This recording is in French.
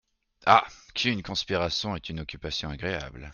Ah ! qu’une conspiration est une occupation agréable !